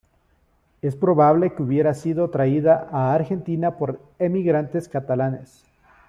Es probable que hubiera sido traída a Argentina por emigrantes catalanes.